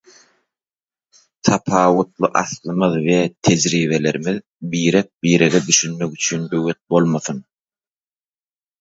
Tapawutly aslymyz we tejribelerimiz birek-birege düşünmek üçin böwet bolmasyn.